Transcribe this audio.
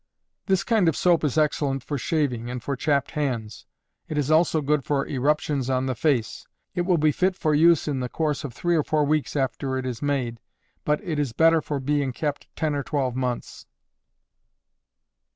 This kind of soap is excellent for shaving, and for chapped hands: it is also good for eruptions on the face. It will be fit for use in the course of three or four weeks after it is made, but it is better for being kept ten or twelve months.